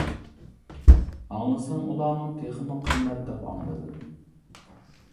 ئاڭلىسام ئۇلارنىڭ تېخىمۇ قىممەت دەپ ئاڭلىدىم.